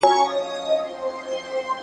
نیول سوی جاسوس تر فشار لاندې وي.